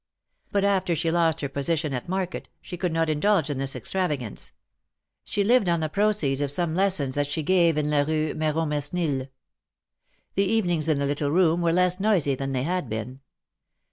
But after she lost her position at market, she could not indulge in this extrava gance. She lived on the proceeds of some lessons that she gave in la Kue Merosmesnil. The evenings in the little room were less noisy than they had been.